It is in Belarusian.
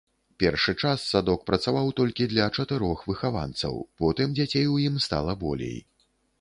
Першы час садок працаваў толькі для чатырох выхаванцаў, потым дзяцей у ім стала болей.